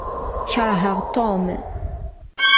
Keṛheɣ Tom.